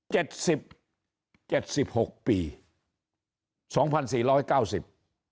เจ็ดสิบเจ็ดสิบหกปีสองพันสี่ร้อยเก้าสิบ